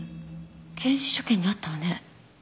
検視所見にあったわね。